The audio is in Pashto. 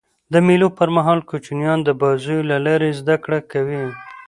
د مېلو پر مهال کوچنيان د بازيو له لاري زدهکړه کوي.